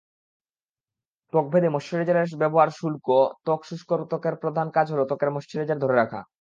ত্বকভেদে ময়েশ্চারাইজারের ব্যবহারশুষ্ক ত্বকশুষ্ক ত্বকের প্রধান কাজ হলো ত্বকের ময়েশ্চারাইজার ধরে রাখা।